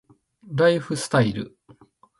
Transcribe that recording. ライフスタイル